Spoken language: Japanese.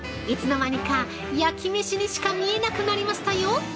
いつの間にか焼きめしにしか見えなくなりましたよ。